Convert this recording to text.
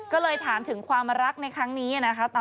ก็เลยถามถึงความรักในครั้งนี้นะคะ